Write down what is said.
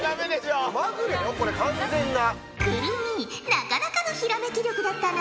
なかなかのひらめき力だったな。